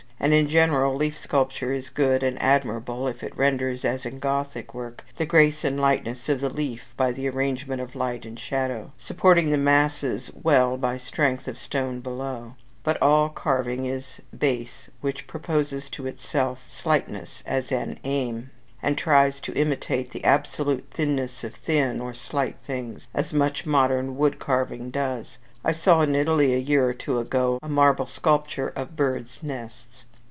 And in general, leaf sculpture is good and admirable, if it renders, as in Gothic work, the grace and lightness of the leaf by the arrangement of light and shadow supporting the masses well by strength of stone below; but all carving is base which proposes to itself slightness as an aim, and tries to imitate the absolute thinness of thin or slight things, as much modern wood carving does, I saw in Italy, a year or two ago, a marble sculpture of birds' nests.